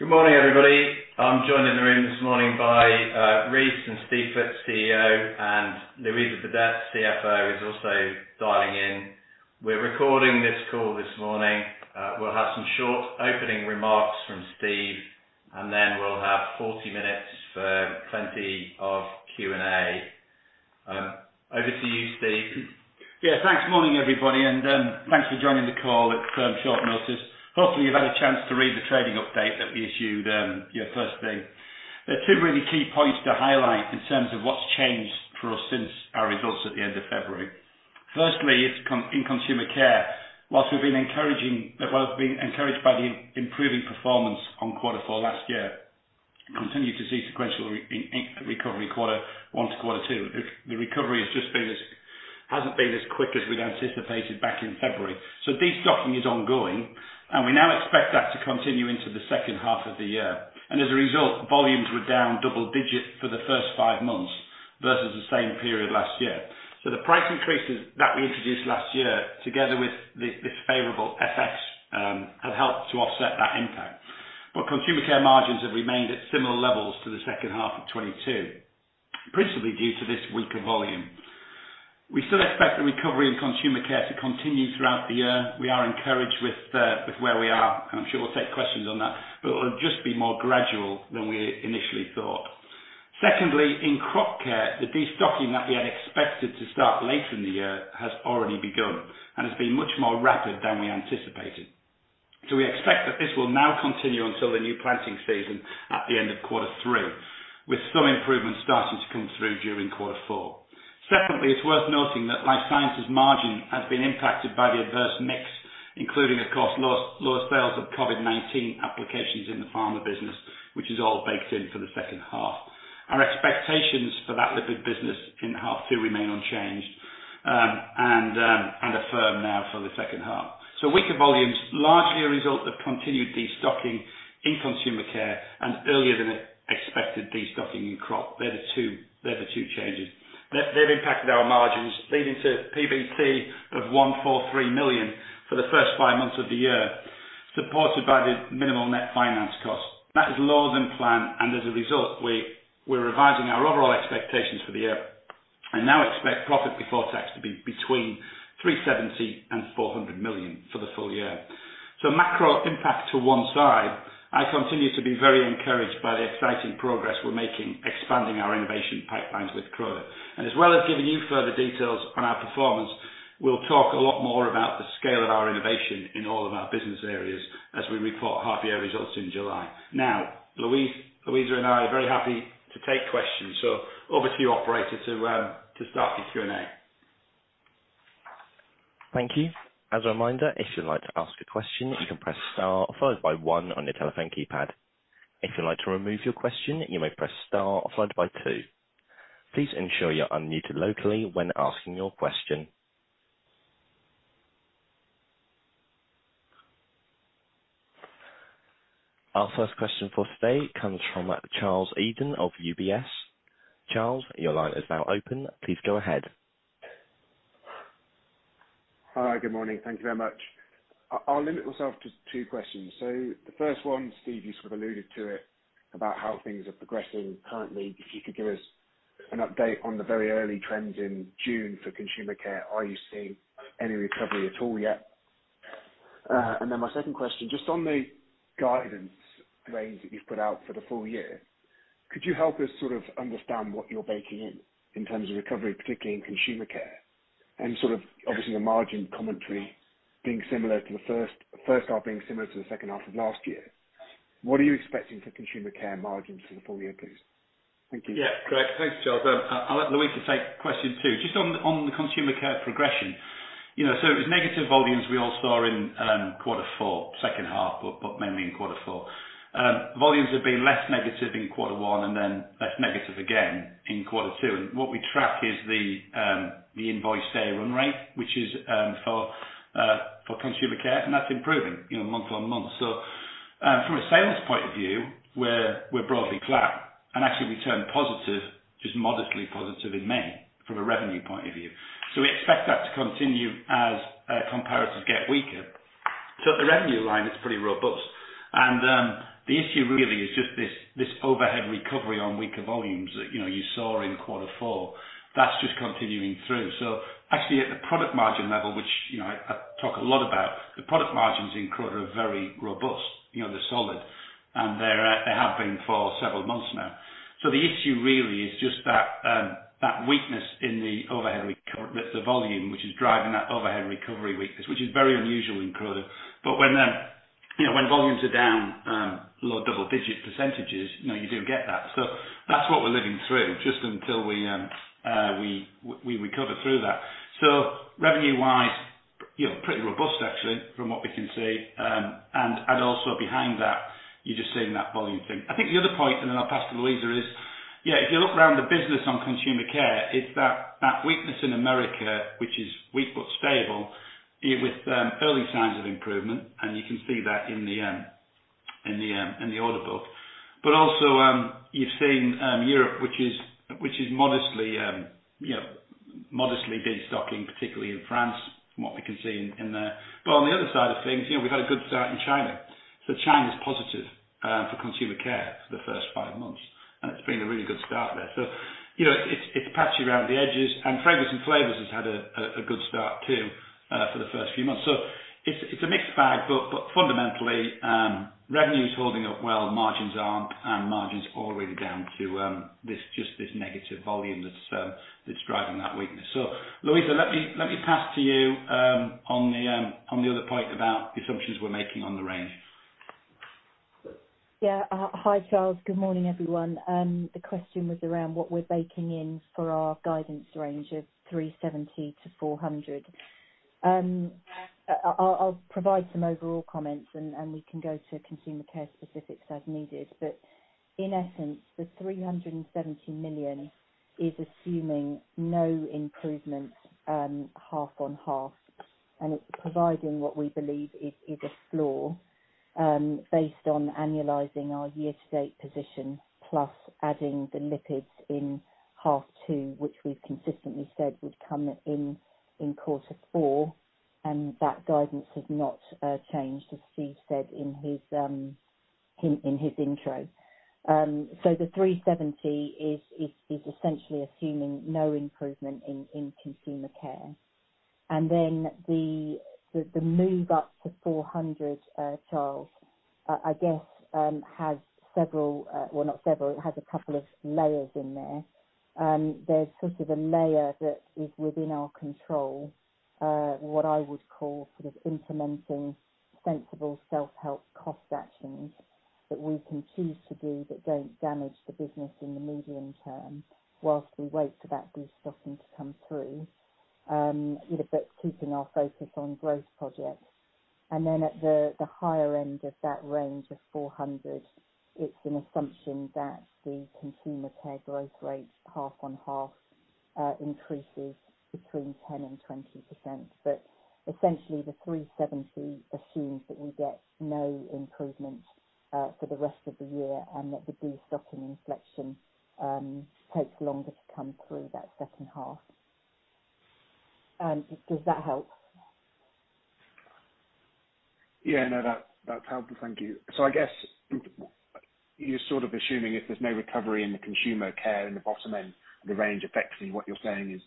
Good morning, everybody. I'm joined in the room this morning by Reece and Steve Foots, CEO, and Louisa Burdett, CFO, is also dialing in. We're recording this call this morning. We'll have some short opening remarks from Steve, and then we'll have 40 minutes for plenty of Q&A. Over to you, Steve. Thanks. Morning, everybody, thanks for joining the call at such short notice. Hopefully, you've had a chance to read the trading update that we issued first thing. There are two really key points to highlight in terms of what's changed for us since our results at the end of February. Firstly, it's in Consumer Care. Whilst we've been encouraging, while we've been encouraged by the improving performance on Q4 last year, we continue to see sequential in recovery Q1 to Q2. The recovery has just been as quick as we'd anticipated back in February. Destocking is ongoing, and we now expect that to continue into the H2 of the year. As a result, volumes were down double digits for the first five months versus the same period last year. The price increases that we introduced last year, together with this favorable FX, have helped to offset that impact. Consumer Care margins have remained at similar levels to the H2 of 22, principally due to this weaker volume. We still expect the recovery in Consumer Care to continue throughout the year. We are encouraged with where we are, and I'm sure we'll take questions on that, but it'll just be more gradual than we initially thought. Secondly, in crop care, the destocking that we had expected to start later in the year has already begun and has been much more rapid than we anticipated. We expect that this will now continue until the new planting season at the end of Q3, with some improvements starting to come through during Q4. It's worth noting that Life Sciences margin has been impacted by the adverse mix, including, of course, lower sales of COVID-19 applications in the pharma business, which is all baked in for the H2. Our expectations for that liquid business in H2 remain unchanged and are firm now for the H2. Weaker volumes, largely a result of continued destocking in Consumer Care and earlier than expected destocking in crop. They're the two changes. They've impacted our margins, leading to PBT of 143 million for the first five months of the year, supported by the minimal net finance cost. That is lower than planned, and as a result, we're revising our overall expectations for the year, and now expect profit before tax to be between 370 million and 400 million for the full year. Macro impact to one side, I continue to be very encouraged by the exciting progress we're making, expanding our innovation pipelines with Croda. As well as giving you further details on our performance, we'll talk a lot more about the scale of our innovation in all of our business areas as we report half year results in July. Louisa, Louisa and I are very happy to take questions, so over to you, operator, to start the Q&A. Thank you. As a reminder, if you'd like to ask a question, you can press star, followed by one on your telephone keypad. If you'd like to remove your question, you may press star followed by two. Please ensure you're unmuted locally when asking your question. Our first question for today comes from Charles Eden of UBS. Charles, your line is now open. Please go ahead. Hi, good morning. Thank you very much. I'll limit myself to two questions. The first one, Steve, you sort of alluded to it, about how things are progressing currently. If you could give us an update on the very early trends in June for Consumer Care, are you seeing any recovery at all yet? My second question, just on the guidance range that you've put out for the full year, could you help us sort of understand what you're baking in terms of recovery, particularly in Consumer Care, and sort of obviously the margin commentary being similar to the H1 being similar to the H2 of last year? What are you expecting for Consumer Care margins for the full year, please? Thank you. Yeah, great. Thanks, Charles. I'll let Louisa take question two. Just on the Consumer Care progression, you know, it was negative volumes we all saw in Q4, H2, but mainly in Q4. Volumes have been less negative in Q1 and less negative again in Q2. What we track is the invoice day run rate, which is for Consumer Care, and that's improving, you know, month-on-month. From a sales point of view, we're broadly flat, actually, we turned positive, just modestly positive in May from a revenue point of view. We expect that to continue as comparatives get weaker. The revenue line is pretty robust. The issue really is just this overhead recovery on weaker volumes that, you know, you saw in Q4. That's just continuing through. Actually, at the product margin level, which, you know, I talk a lot about, the product margins in Croda are very robust, you know, they're solid, and they're, they have been for several months now. The issue really is just that weakness in the overhead recovery, the volume, which is driving that overhead recovery weakness, which is very unusual in Croda. When, you know, when volumes are down low double-digit percentages, you know, you do get that. That's what we're living through, just until we recover through that. Revenue-wise, you know, pretty robust actually, from what we can see. Also behind that, you're just seeing that volume thing. I think the other point, and then I'll pass to Louisa, is, if you look around the business on Consumer Care, it's that weakness in America, which is weak but stable, with early signs of improvement, and you can see that in the order book. Also, you've seen Europe, which is modestly, you know, modestly destocking, particularly in France, from what we can see in there. On the other side of things, you know, we've had a good start in China. China's positive for Consumer Care for the first five months, and it's been a really good start there. you know, it's patchy around the edges, and Fragrances and Flavors has had a good start too, for the first few months. It's, it's a mixed bag, but fundamentally, revenue is holding up well, margins aren't, and margins all the way down to just this negative volume that's driving that weakness. Louisa, let me pass to you on the on the other point about the assumptions we're making on the range. Yeah. Hi, Charles. Good morning, everyone. The question was around what we're baking in for our guidance range of 370 to 400. I'll provide some overall comments, and we can go to Consumer Care specifics as needed. In essence, the 370 million is assuming no improvement, half-on-half, and it's providing what we believe is a floor, based on annualizing our year-to-date position, plus adding the lipids in H2, which we've consistently said would come in Q4, and that guidance has not changed, as Steve said in his intro. The 370 is essentially assuming no improvement in Consumer Care. Then the move up to 400, Charles, I guess, has a couple of layers in there. There's sort of a layer that is within our control, what I would call sort of implementing sensible self-help cost actions, that we can choose to do, but don't damage the business in the medium term, whilst we wait for that destocking to come through. Keeping our focus on growth projects. Then at the higher end of that range of 400, it's an assumption that the Consumer Care growth rate, half-on-half, increases between 10% and 20%. Essentially, the 370 assumes that we get no improvement for the rest of the year, and that the destocking inflection takes longer to come through that H2. Does that help? Yeah, no, that's helpful. Thank you. I guess you're sort of assuming if there's no recovery in the Consumer Care in the bottom end of the range, effectively what you're saying is,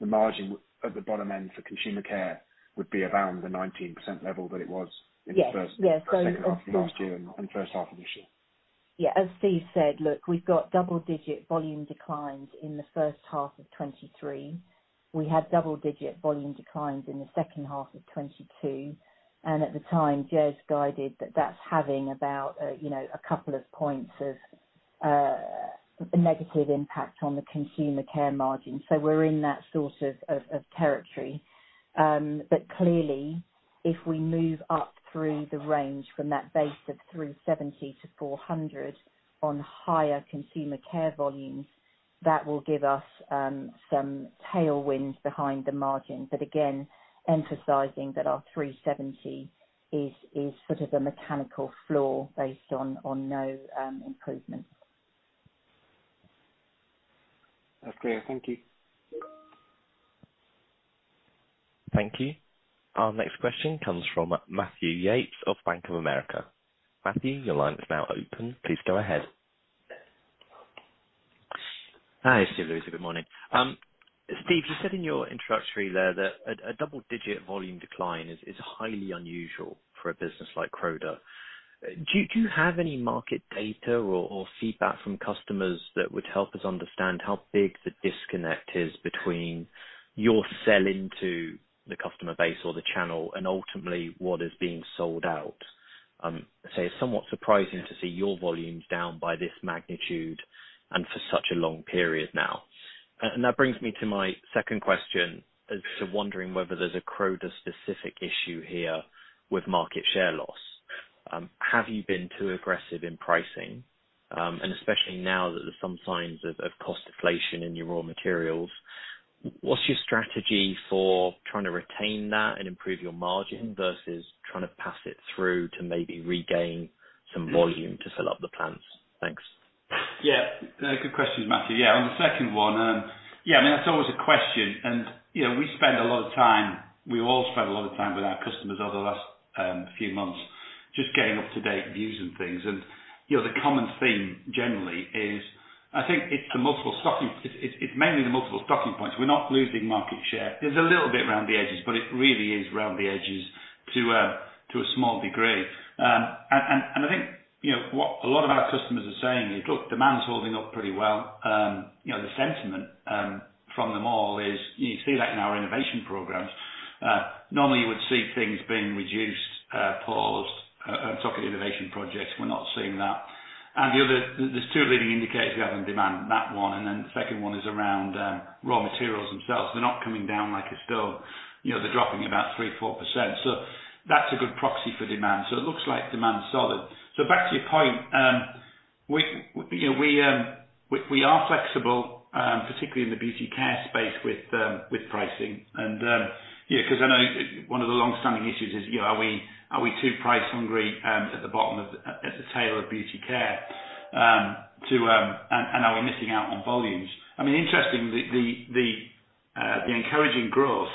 the margin at the bottom end for Consumer Care would be around the 19% level that it was. Yes, yes. in the first, H2 of last year and H1 of this year. Yeah. As Steve said, look, we've got double-digit volume declines in the H1 of 2023. We had double-digit volume declines in the H2 of 2022, at the time, Jez guided that that's having about, you know, a couple of points of negative impact on the Consumer Care margin. We're in that sort of territory. Clearly, if we move up through the range from that base of 370 to 400 on higher Consumer Care volumes, that will give us some tailwinds behind the margin. Again, emphasizing that our 370 is sort of a mechanical floor based on no improvement. That's clear. Thank you. Thank you. Our next question comes from Matthew Yates of Bank of America. Matthew, your line is now open. Please go ahead. Hi, Steve, Louisa, good morning. Steve, you said in your introductory there that a double-digit volume decline is highly unusual for a business like Croda. Do you have any market data or feedback from customers that would help us understand how big the disconnect is between your sell into the customer base or the channel, and ultimately what is being sold out? Say, it's somewhat surprising to see your volumes down by this magnitude and for such a long period now. That brings me to my second question, as to wondering whether there's a Croda specific issue here with market share loss. Have you been too aggressive in pricing? Especially now that there's some signs of cost deflation in your raw materials, what's your strategy for trying to retain that and improve your margin, versus trying to pass it through to maybe regain some volume to fill up the plans? Thanks. Good questions, Matthew. On the second one, I mean, that's always a question. You know, we spend a lot of time, we all spend a lot of time with our customers over the last few months, just getting up to date views and things. You know, the common theme generally is, I think it's the multiple stocking. It's mainly the multiple stocking points. We're not losing market share. There's a little bit around the edges, but it really is around the edges to a, to a small degree. I think, you know, what a lot of our customers are saying is, "Look, demand is holding up pretty well." You know, the sentiment from them all is... You see that in our innovation programs. Normally you would see things being reduced, paused, and talk of innovation projects. We're not seeing that. There's two leading indicators we have on demand, that one, then the second one is around raw materials themselves. They're not coming down like a stone, you know, they're dropping about 3% to 4%. That's a good proxy for demand. It looks like demand is solid. Back to your point, we, you know, we are flexible, particularly in the Beauty Care space with pricing. I know one of the long-standing issues is, you know, are we, are we too price hungry at the bottom of, at the tail of Beauty Care?... Are we missing out on volumes? Interestingly, the encouraging growth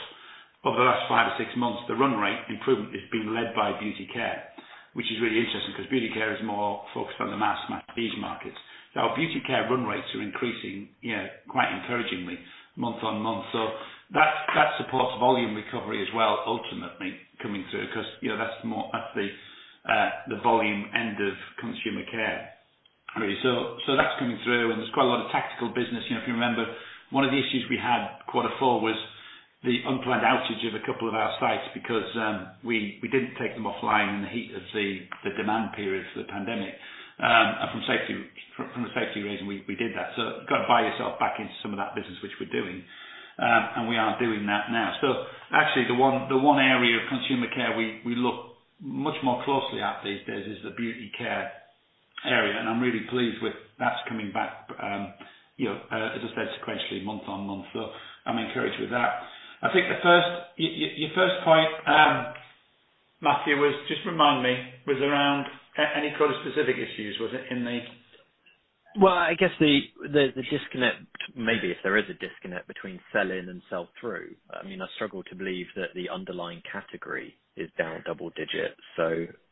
over the last five or six months, the run rate improvement has been led by Beauty Care, which is really interesting, because Beauty Care is more focused on the mass these markets. That, that supports volume recovery as well, ultimately coming through, because, you know, that's more, that's the volume end of Consumer Care. That's coming through, and there's quite a lot of tactical business. You know, if you remember, one of the issues we had Q4 was the unplanned outage of a couple of our sites, because, we didn't take them offline in the heat of the demand period for the pandemic. From safety, from a safety reason, we did that. You've got to buy yourself back into some of that business, which we're doing. We are doing that now. Actually, the one area of Consumer Care we look much more closely at these days is the Beauty Care area, and I'm really pleased with... That's coming back, you know, as I said, sequentially, month-on-month, so I'm encouraged with that. I think the first, your first point, Matthew, was, just remind me, was around any kind of specific issues, was it in the- I guess the disconnect, maybe if there is a disconnect between sell-in and sell-through, I mean, I struggle to believe that the underlying category is down double digits.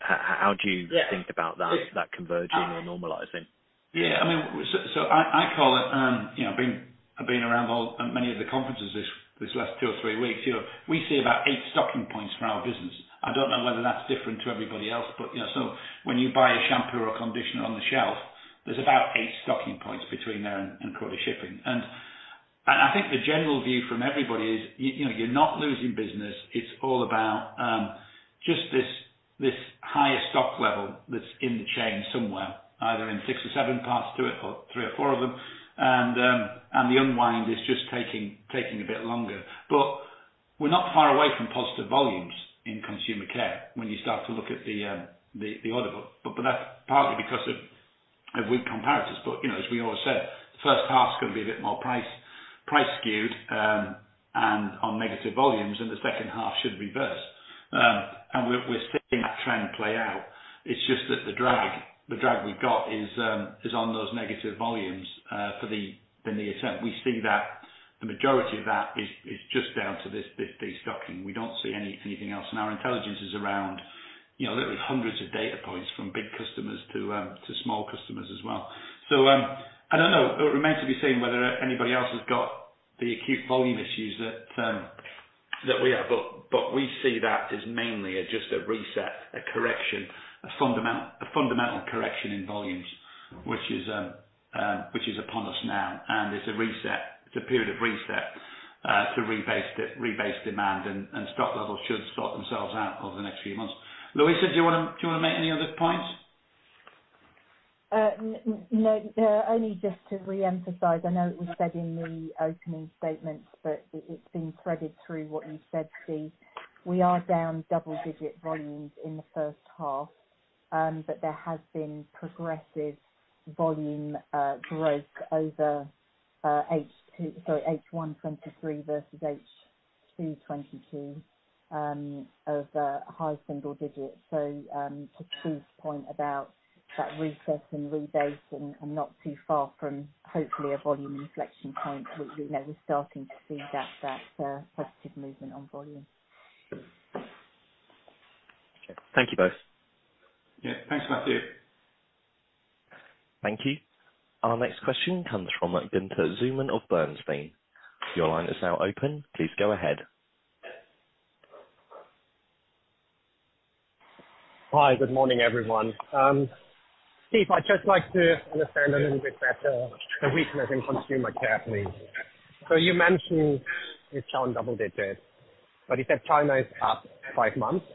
How do you? Yeah. Think about that converging or normalizing? Yeah, I mean, I call it, you know, being, I've been around all, many of the conferences this last two or three weeks. You know, we see about eight stocking points for our business. I don't know whether that's different to everybody else, but, you know, so when you buy a shampoo or conditioner on the shelf, there's about eight stocking points between there and quarter shipping. I think the general view from everybody is, you know, you're not losing business. It's all about just this higher stock level that's in the chain somewhere, either in six or seven parts to it, or three or four of them, and the unwind is just taking a bit longer. We're not far away from positive volumes in Consumer Care when you start to look at the order book. That's partly because of weak comparators. You know, as we always said, H1 is going to be a bit more price skewed and on negative volumes, and the H2 should reverse. We're seeing that trend play out. It's just that the drag we've got is on those negative volumes, for the, than the ascent. We see that the majority of that is just down to this destocking. We don't see anything else, and our intelligence is around, you know, literally hundreds of data points, from big customers to small customers as well. I don't know. It remains to be seen whether anybody else has got the acute volume issues that we have, but we see that as mainly as just a reset, a correction, a fundamental correction in volumes, which is upon us now. It's a reset, it's a period of reset, to rebase demand, and stock levels should sort themselves out over the next few months. Louisa, do you want to make any other points? No, only just to reemphasize, I know it was said in the opening statements, but it's been threaded through what you said, Steve. We are down double-digit volumes in the H1, but there has been progressive volume growth over H2, sorry, H1 23 versus H2 22, of high single digits. To Steve's point about that reset and rebase and not too far from hopefully a volume inflection point, which, you know, we're starting to see that positive movement on volume. Thank you, both. Yeah. Thanks, Matthew. Thank you. Our next question comes from Gunther Zechmann of Bernstein. Your line is now open. Please go ahead. Hi, good morning, everyone. Steve, I'd just like to understand a little bit better the weakness in Consumer Care, please. You mentioned it down double digits, but you said China is up five months.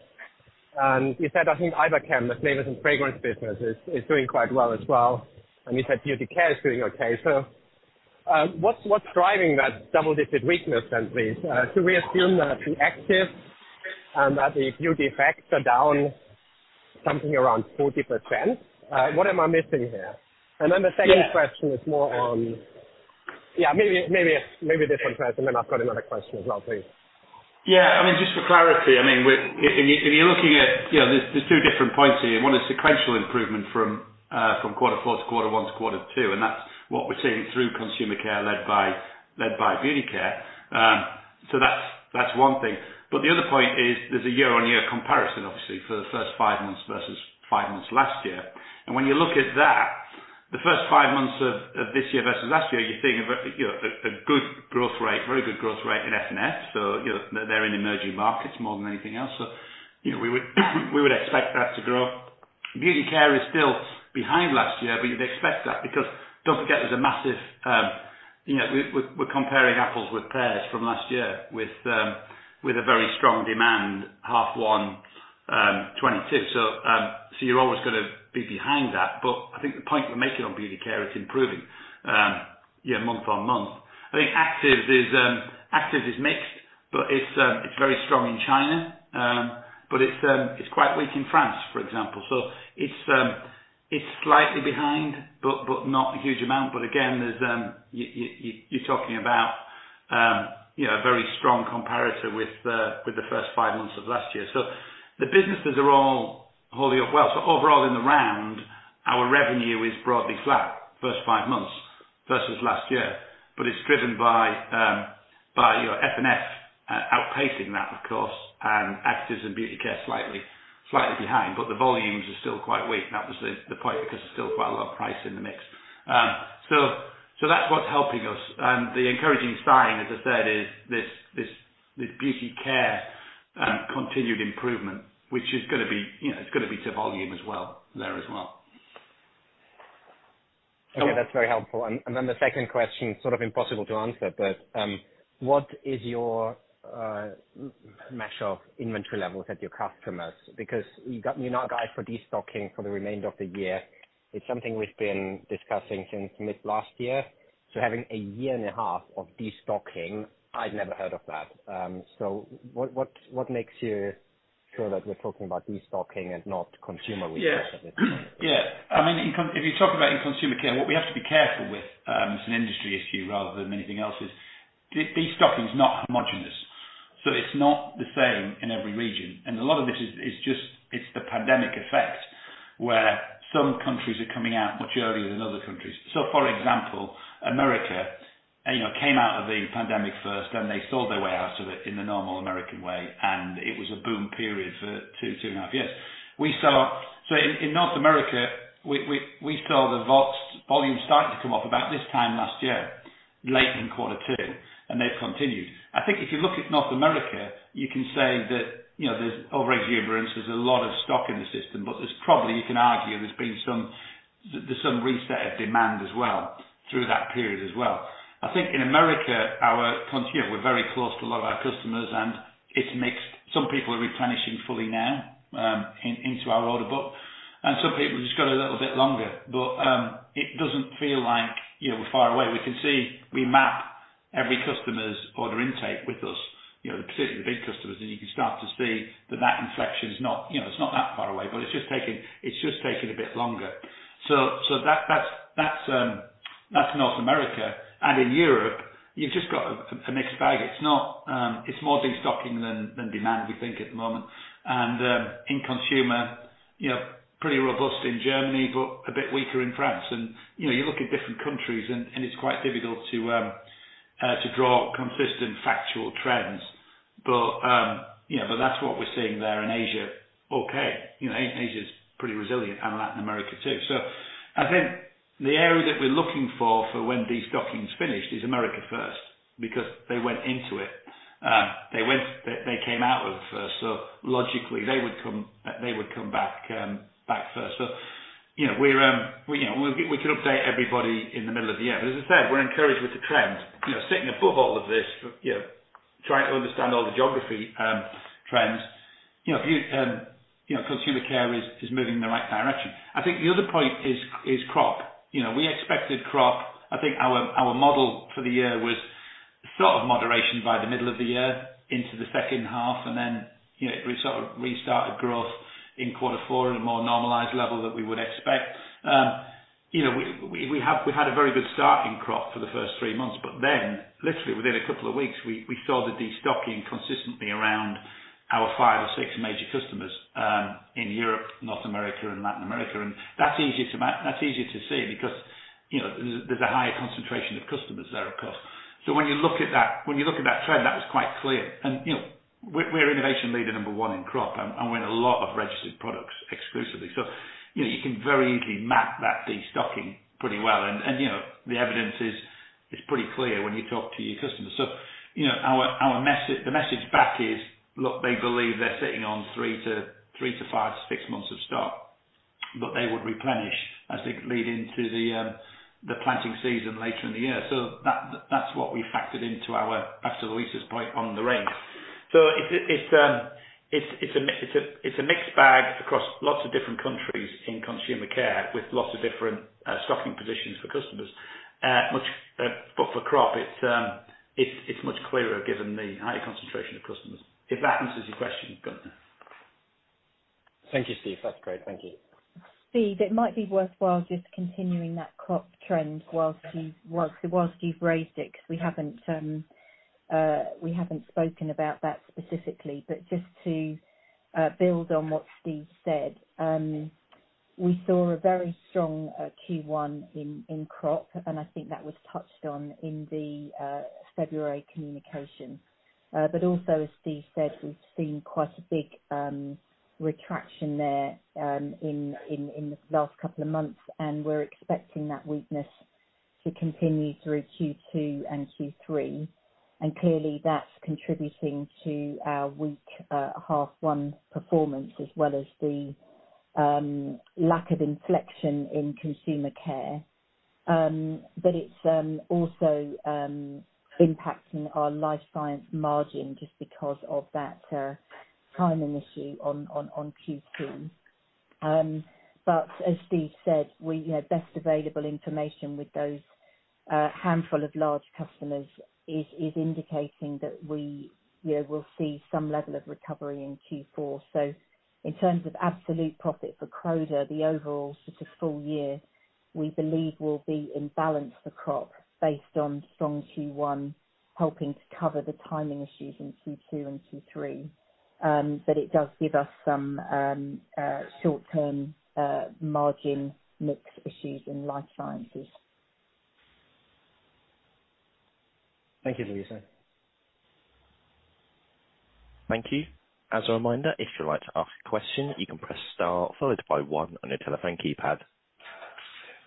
You said, I think, Iberchem, the Fragrances and Flavors business is doing quite well as well, and you said Beauty Care is doing okay. What's driving that double-digit weakness then, please? Should we assume that the actives and that the Beauty Care are down something around 40%? What am I missing here? Yeah. The second question is more on. Yeah, maybe a different person. I've got another question as well, please. Yeah. I mean, just for clarity, I mean, we're, if you're looking at. You know, there's two different points here. One is sequential improvement from Q4 to Q1 to Q2, and that's what we're seeing through Consumer Care led by Beauty Care. That's one thing. The other point is there's a year-on-year comparison, obviously, for the first five months versus five months last year. When you look at that, the first five months of this year versus last year, you're seeing a you know, a good growth rate, very good growth rate in F&F. You know, they're in emerging markets more than anything else. You know, we would expect that to grow. Beauty Care is still behind last year, but you'd expect that because don't forget, there's a massive, you know, we're, we're comparing apples with pears from last year, with a very strong demand, H1, 22. You're always going to be behind that. I think the point we're making on Beauty Care, it's improving, yeah, month-on-month. I think actives is mixed, but it's very strong in China. It's quite weak in France, for example. It's slightly behind, but not a huge amount. Again, there's you're talking about, you know, a very strong comparator with the first five months of last year. The businesses are all holding up well. Overall, in the round, our revenue is broadly flat, first five months versus last year, but it's driven by your F&F outpacing that, of course, and actives and Beauty Care slightly behind, but the volumes are still quite weak. That was the point, because there's still quite a lot of price in the mix. That's what's helping us. The encouraging sign, as I said, is this Beauty Care continued improvement, which is gonna be, you know, it's gonna be to volume as well, there as well. Okay, that's very helpful. The second question, sort of impossible to answer, but, what is your measure of inventory levels at your customers? Because you know, guide for destocking for the remainder of the year, it's something we've been discussing since mid last year. Having a year and a half of destocking, I'd never heard of that. What makes you sure that we're talking about destocking and not consumer weakness? Yeah. Yeah. I mean, if you talk about in Consumer Care, what we have to be careful with, it's an industry issue rather than anything else, is destocking is not homogeneous, so it's not the same in every region. A lot of it is just, it's the pandemic effect, where some countries are coming out much earlier than other countries. For example, America, you know, came out of the pandemic first, and they sold their way out of it in the normal American way, and it was a boom period for two and a half years. In North America, we saw the Vox volume starting to come off about this time last year, late in Q2, and they've continued. I think if you look at North America, you can say that, you know, there's overexuberance, there's a lot of stock in the system, but there's probably, you can argue, there's been some reset of demand as well, through that period as well. I think in America, you know, we're very close to a lot of our customers, and it's mixed. Some people are replenishing fully now, into our order book, and some people just got a little bit longer. It doesn't feel like, you know, we're far away. We can see, we map every customer's order intake with us, you know, particularly the big customers, and you can start to see that inflection is not, you know, it's not that far away, but it's just taking a bit longer. That's North America. In Europe, you've just got a mixed bag. It's not, it's more destocking than demand, we think, at the moment. In consumer, you know, pretty robust in Germany, but a bit weaker in France. You know, you look at different countries, and it's quite difficult to draw consistent factual trends. You know, that's what we're seeing there in Asia. Okay. You know, Asia is pretty resilient, and Latin America, too. I think the area that we're looking for when destocking is finished, is America first, because they went into it. They came out of it first, so logically, they would come back first. You know, we, you know, we can update everybody in the middle of the year. As I said, we're encouraged with the trends. You know, sitting above all of this, you know, trying to understand all the geography trends, you know, view, you know, Consumer Care is moving in the right direction. I think the other point is crop. You know, we expected crop. I think our model for the year was sort of moderation by the middle of the year into the H2, and then, you know, it would sort of restart the growth in Q4 at a more normalized level than we would expect. You know, we had a very good starting crop for the first three months, literally within a couple of weeks, we saw the destocking consistently around our five or six major customers in Europe, North America and Latin America. That's easier to see because, you know, there's a higher concentration of customers there, of course. When you look at that, when you look at that trend, that was quite clear. You know, we're innovation leader number one in crop, and we're in a lot of registered products exclusively. You know, you can very easily map that destocking pretty well. You know, the evidence is, it's pretty clear when you talk to your customers. You know, our message, the message back is: Look, they believe they're sitting on three to five, six months of stock, but they would replenish as they lead into the planting season later in the year. That's what we factored into our, back to Louise's point on the range. It's a mixed bag across lots of different countries in Consumer Care, with lots of different stocking positions for customers. For crop, it's much clearer given the higher concentration of customers. If that answers your question, Gunther. Thank you, Steve. That's great. Thank you. Steve, it might be worthwhile just continuing that crop trend whilst you've raised it, because we haven't spoken about that specifically. Just to build on what Steve said, we saw a very strong Q1 in crop, I think that was touched on in the February communication. Also as Steve said, we've seen quite a big retraction there in the last couple of months, we're expecting that weakness to continue through Q2 and Q3. Clearly, that's contributing to our weak H1 performance, as well as the lack of inflection in Consumer Care. It's also impacting our Life Sciences margin, just because of that timing issue on Q2. As Steve said, we, you know, best available information with those handful of large customers is indicating that we, you know, will see some level of recovery in Q4. In terms of absolute profit for Croda, the overall, just a full year... we believe will be in balance for Crop, based on strong Q1, helping to cover the timing issues in Q2 and Q3. It does give us some short-term margin mix issues in Life Sciences. Thank you, Louisa. Thank you. As a reminder, if you'd like to ask a question, you can press star followed by one on your telephone keypad.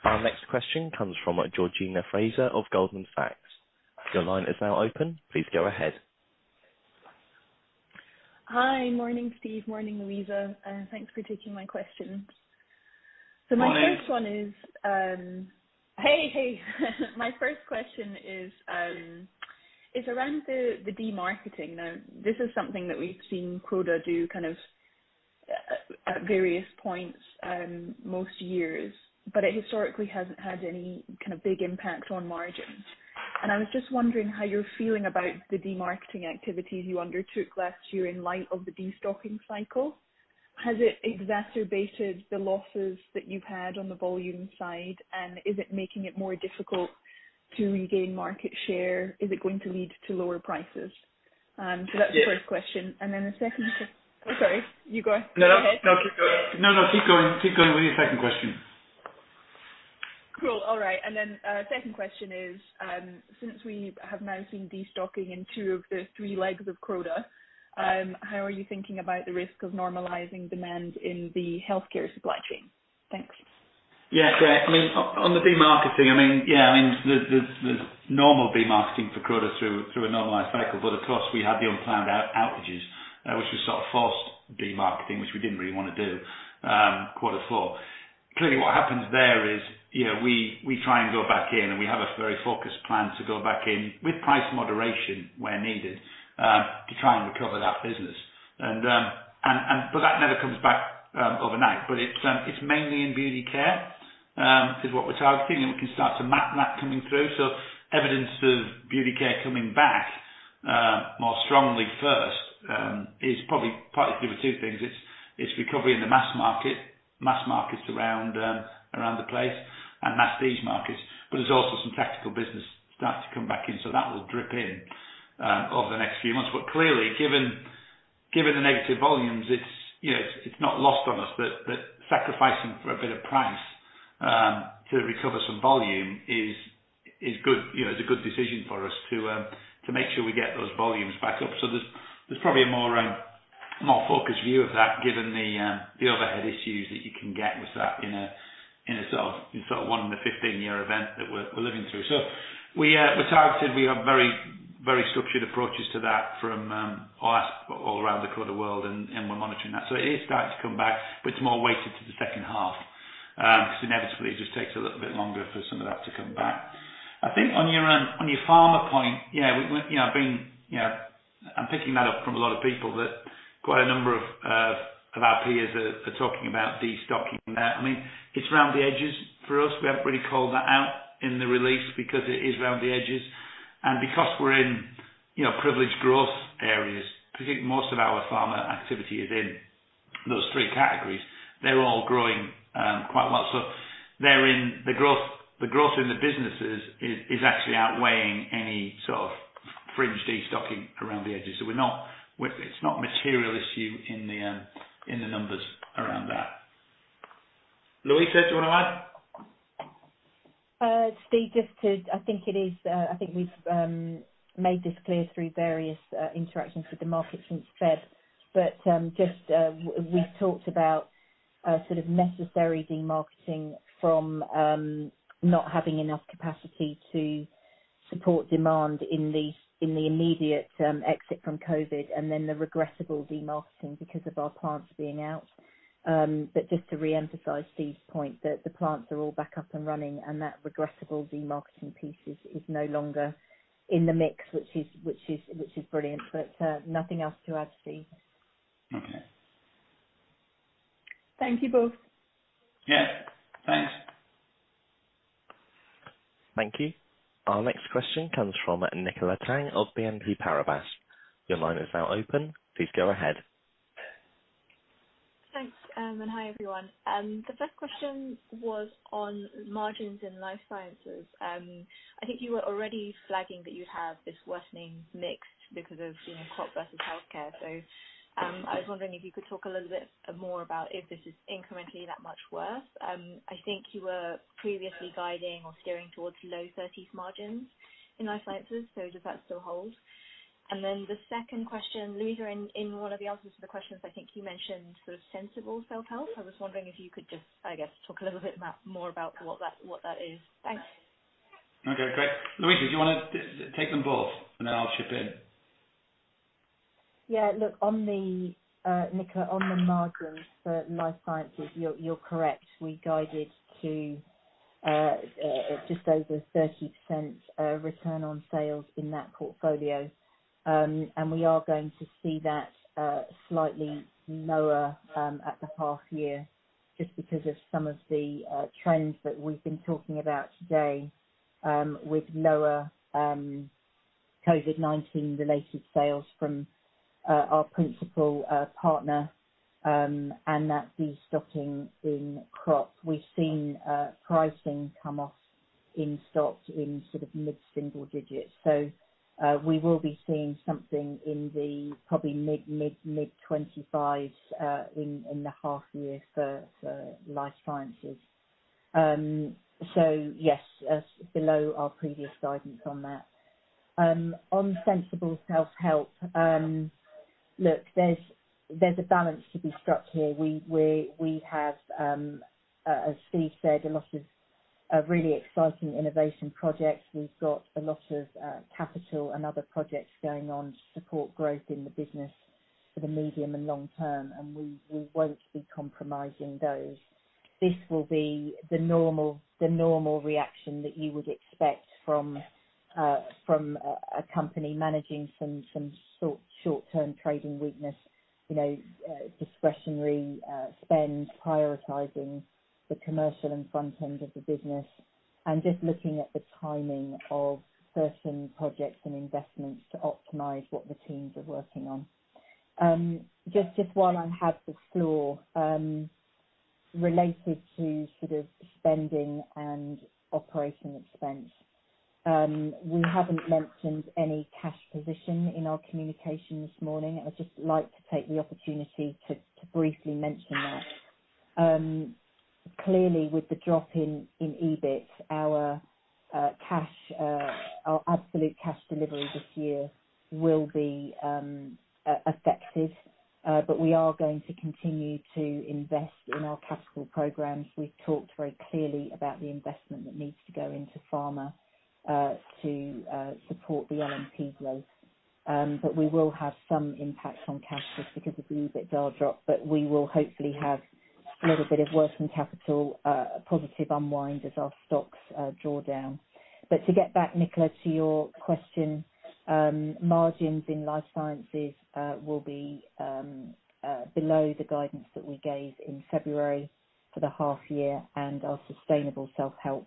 Our next question comes from Georgina Fraser of Goldman Sachs. Your line is now open. Please go ahead. Hi. Morning, Steve. Morning, Louisa, thanks for taking my questions. Morning. My first question is around the de-marketing. Now, this is something that we've seen Croda do kind of at various points most years, but it historically hasn't had any kind of big impact on margins. I was just wondering how you're feeling about the de-marketing activities you undertook last year in light of the destocking cycle. Has it exacerbated the losses that you've had on the volume side? Is it making it more difficult to regain market share? Is it going to lead to lower prices? That's the first question. Yes. Oh, sorry, you go ahead. No, no, keep going. No, no, keep going. Keep going with your second question. Cool. All right. Second question is, since we have now seen destocking in two of the three legs of Croda, how are you thinking about the risk of normalizing demand in the healthcare supply chain? Thanks. Yeah, great. I mean, on the de-marketing, I mean, yeah, I mean, there's normal de-marketing for Croda through a normalized cycle, but of course, we had the unplanned outages, which was sort of forced de-marketing, which we didn't really want to do, Q4. Clearly, what happens there is, you know, we try and go back in, and we have a very focused plan to go back in, with price moderation where needed, to try and recover that business. But that never comes back overnight. It's mainly in Beauty Care, is what we're targeting, and we can start to map that coming through. Evidence of Beauty Care coming back more strongly first is probably partly to do with two things: It's, it's recovery in the mass market, mass markets around the place and mass prestige markets. There's also some tactical business starting to come back in, that will drip in over the next few months. Clearly, given the negative volumes, it's, you know, it's not lost on us that sacrificing for a bit of price to recover some volume is good. You know, it's a good decision for us to make sure we get those volumes back up. There's probably a more, more focused view of that, given the overhead issues that you can get with that in a one in a 15-year event that we're living through. We're targeted. We have very, very structured approaches to that from all around the Croda world, and we're monitoring that. It is starting to come back, but it's more weighted to the H2, because inevitably it just takes a little bit longer for some of that to come back. I think on your, on your pharma point, yeah, we, you know, I've been, you know... I'm picking that up from a lot of people, that quite a number of our peers are talking about destocking. I mean, it's around the edges for us. We haven't really called that out in the release because it is around the edges. Because we're in, you know, privileged growth areas, particularly most of our Pharma activity is in those three categories, they're all growing quite well. They're in the growth in the businesses is actually outweighing any sort of fringe destocking around the edges. We're not, it's not a material issue in the numbers around that. Louisa, do you want to add? Steve, I think it is, I think we've made this clear through various interactions with the market since Feb, just we've talked about a sort of necessary de-marketing from not having enough capacity to support demand in the immediate exit from COVID, and then the regrettable de-marketing because of our plants being out. Just to reemphasize Steve's point, that the plants are all back up and running, and that regrettable de-marketing piece is no longer in the mix, which is brilliant. Nothing else to add, Steve. Okay. Thank you both. Yeah, thanks. Thank you. Our next question comes from Nicola Tang of BNP Paribas. Your line is now open. Please go ahead. Thanks, hi, everyone. The first question was on margins in Life Sciences. I think you were already flagging that you have this worsening mix because of, you know, Crop versus Healthcare. I was wondering if you could talk a little bit more about if this is incrementally that much worse. I think you were previously guiding or steering towards low 30s margins in Life Sciences. Does that still hold? The second question, Louisa, in one of the answers to the questions, I think you mentioned sort of sensible self-help. I was wondering if you could just, I guess, talk a little bit about, more about what that, what that is. Thanks. Okay, great. Louisa, do you want to take them both, and then I'll chip in? Look, on the Nicola, on the margins for Life Sciences, you're correct. We guided to just over 30% return on sales in that portfolio. We are going to see that slightly lower at the half year, just because of some of the trends that we've been talking about today, with lower COVID-19 related sales from our principal partner, and that destocking in Crop. We've seen pricing come off in stocks in sort of mid-single digits. We will be seeing something in the probably mid-20s in the half year for Life Sciences. Yes, that's below our previous guidance on that. On Sensible Self-Help, look, there's a balance to be struck here. We have, as Steve said, a lot of really exciting innovation projects. We've got a lot of capital and other projects going on to support growth in the business for the medium and long term. We won't be compromising those. This will be the normal reaction that you would expect from a company managing some short-term trading weakness. You know, discretionary spend, prioritizing the commercial and front end of the business, and just looking at the timing of certain projects and investments to optimize what the teams are working on. Just while I have the floor, related to sort of spending and operating expense. We haven't mentioned any cash position in our communication this morning. I'd just like to take the opportunity to briefly mention that. Clearly, with the drop in EBIT, our cash, our absolute cash delivery this year will be affected. We are going to continue to invest in our capital programs. We've talked very clearly about the investment that needs to go into Pharma, to support the LNP growth. We will have some impact on cash just because of the EBIT drop. We will hopefully have a little bit of working capital positive unwind as our stocks draw down. To get back, Nicola, to your question, margins in Life Sciences will be below the guidance that we gave in February for the half year, and our sustainable self-help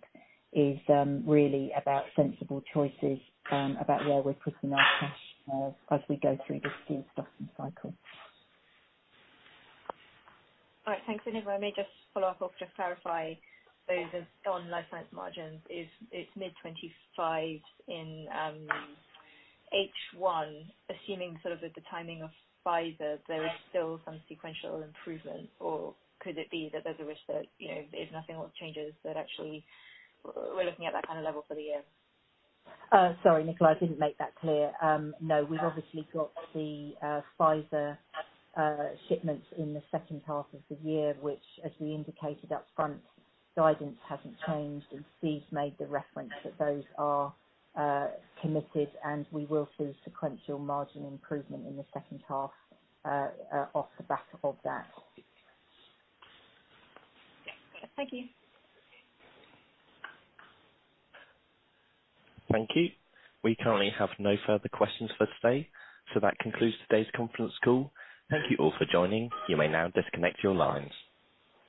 is really about sensible choices about where we're putting our cash as we go through this destocking cycle. All right. Thanks very much. Let me just follow up, or just to clarify, the, on Life Sciences margins, is it mid-25s in H1, assuming sort of that the timing of Pfizer, there is still some sequential improvement? Could it be that there's a risk that, you know, if nothing or changes, that actually we're looking at that kind of level for the year? Sorry, Nicola, I didn't make that clear. No, we've obviously got the Pfizer shipments in the H2 of the year, which, as we indicated up front, guidance hasn't changed, and Steve made the reference that those are committed, and we will see sequential margin improvement in the H2 off the back of that. Thank you. Thank you. We currently have no further questions for today, so that concludes today's conference call. Thank you all for joining. You may now disconnect your lines.